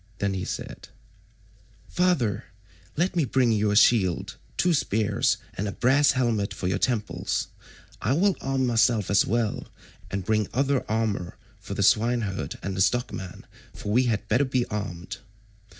Then he said: "Father, let me bring you a shield, two spears, and a brass helmet for your temples. I will arm myself as well, and will bring other armour for the swineherd and the stockman, for we had better be armed."